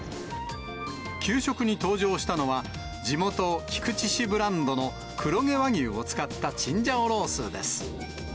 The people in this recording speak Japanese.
給食に登場したのは、地元、菊池市ブランドの黒毛和牛を使ったチンジャオロースです。